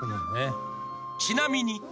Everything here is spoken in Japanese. ［ちなみに］